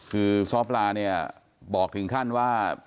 คือซ้อปลาเนี่ยบอกถึงขั้นว่า